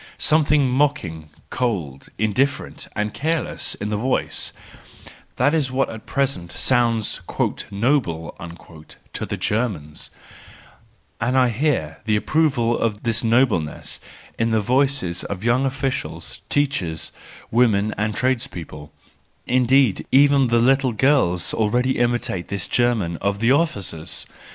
Something mocking, cold, indifferent, and careless in the voice: that is what at present sounds "noble" to the Germans —and I hear the approval of this nobleness in the voices of young officials, teachers, women, and trades people; indeed, even THE JOYFUL WISDOM, II 143 the little girls already imitate this German of the officers.